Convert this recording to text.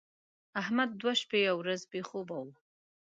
احمد دوه شپه او ورځ بې خوبه و.